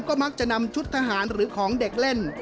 ก็มักจะนำชุดทหารหรือของเด็กเล่น